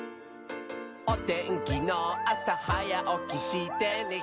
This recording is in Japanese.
「おてんきのあさはやおきしてね」